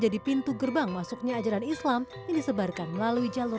kamping minum ikunyekah wanaf suhu